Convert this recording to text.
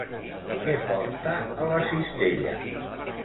Què porta a la cistella?